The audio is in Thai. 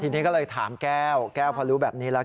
ทีนี้ก็เลยถามแก้วแก้วพอรู้แบบนี้แล้ว